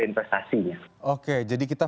investasinya oke jadi kita